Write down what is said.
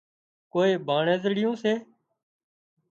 ڪوئي ڀانڻزڙيون سي